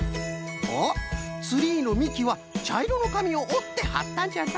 おっツリーのみきはちゃいろのかみをおってはったんじゃな。